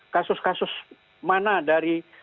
kasus kasus mana dari